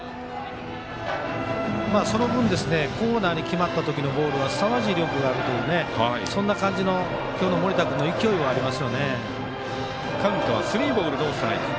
その分、コーナーに決まったときのボールはすさまじい威力があるというそんな感じの今日の盛田君の勢いはありますね。